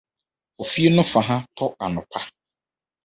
Ofie no fã ha tɔ anɔpa.